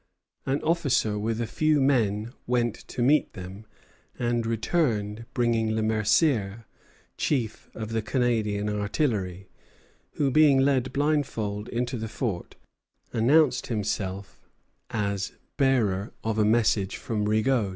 An officer with a few men went to meet them, and returned bringing Le Mercier, chief of the Canadian artillery, who, being led blindfold into the fort, announced himself as bearer of a message from Rigaud.